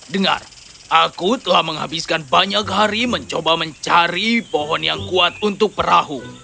dengar aku telah menghabiskan banyak hari mencoba mencari pohon yang kuat untuk perahu